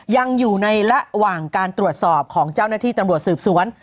ยังอยู่ในระหว่างการตรวจสอบของเจ้าหน้าที่ตำรวจสืบสวน